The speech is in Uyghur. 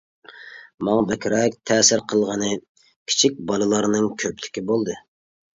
ماڭا بەكرەك تەسىر قىلغىنى، كىچىك بالىلارنىڭ كۆپلۈكى بولدى.